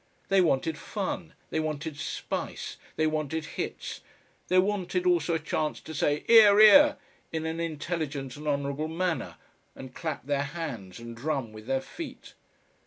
They wanted fun, they wanted spice, they wanted hits, they wanted also a chance to say "'Ear', 'ear!" in an intelligent and honourable manner and clap their hands and drum with their feet.